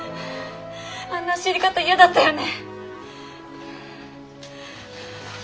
あんな走り方嫌だったよね。